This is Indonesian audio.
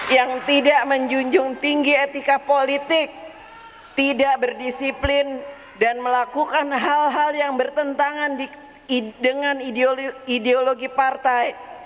yang tidak menjunjung tinggi etika politik tidak berdisiplin dan melakukan hal hal yang bertentangan dengan ideologi partai